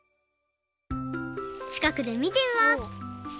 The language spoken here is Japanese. ちかくでみてみます